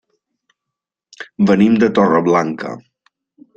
Venim de Torreblanca.